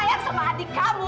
menyayangi adik kamu